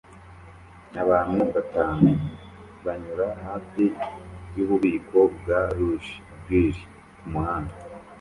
Abantu batanu banyura hafi yububiko bwa Lounge & Grill kumuhanda